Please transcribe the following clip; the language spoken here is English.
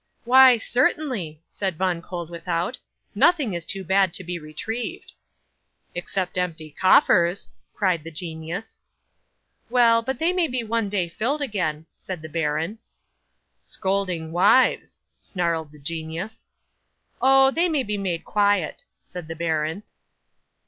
'"Why, certainly," said Von Koeldwethout, "nothing is too bad to be retrieved." '"Except empty coffers," cried the genius. '"Well; but they may be one day filled again," said the baron. '"Scolding wives," snarled the genius. '"Oh! They may be made quiet," said the baron.